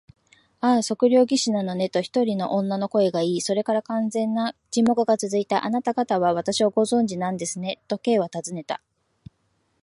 「ああ、測量技師なのね」と、一人の女の声がいい、それから完全な沈黙がつづいた。「あなたがたは私をご存じなんですね？」と、Ｋ はたずねた。